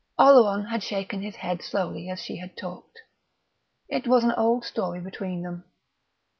Oleron had shaken his head slowly as she had talked. It was an old story between them.